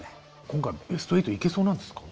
今回ベスト８行けそうなんですか？